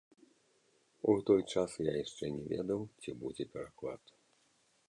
У той час я яшчэ не ведаў, ці будзе пераклад.